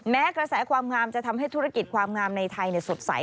แม้กระแสความงามจะทำให้ธุรกิจความงามในไทยสดใส